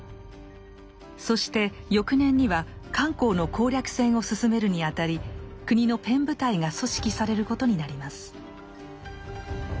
そして翌年には漢口の攻略戦を進めるにあたり国の「ペン部隊」が組織されることになります。